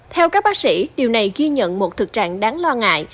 theo các bác sĩ điều này ghi nhận bảy ca tử vong do bệnh dại